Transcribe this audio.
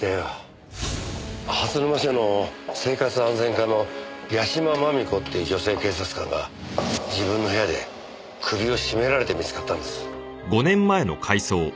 蓮沼署の生活安全課の屋島真美子っていう女性警察官が自分の部屋で首を絞められて見つかったんです。